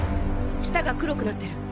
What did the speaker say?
舌が黒くなってる！